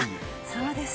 そうですね。